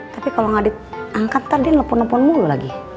tapi kalo gak diangkat ntar dia telepon nepon mulu lagi